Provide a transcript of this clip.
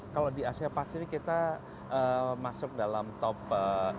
kalau di asia pasir ini kita masuk dalam top five